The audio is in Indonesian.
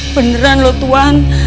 beneran loh tuhan